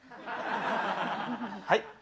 はい？